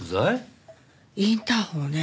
インターホンをね